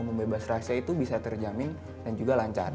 membebas rahasia itu bisa terjamin dan juga lancar